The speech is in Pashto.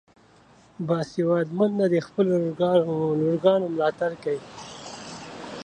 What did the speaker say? باسواده میندې د خپلو لورګانو ملاتړ کوي.